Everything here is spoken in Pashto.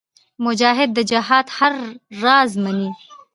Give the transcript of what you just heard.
مجاهد د جهاد هر راز منې.